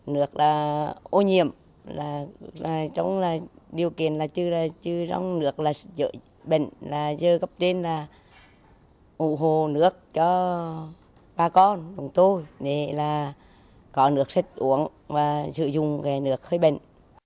nước là ô nhiễm là trong điều kiện là chưa trong nước là dưỡng bệnh là giờ gặp đến là ủ hồ nước cho ba con bọn tôi để là có nước sạch uống và sử dụng cái nước hơi bệnh